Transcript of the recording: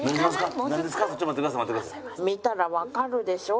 見たらわかるでしょう。